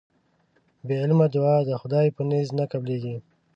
بی عمله دوعا د خدای ج په نزد نه قبلېږي